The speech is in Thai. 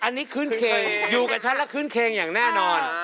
อันนี้คื้นเคอยู่กับฉันและคื้นเคงอย่างแน่นอน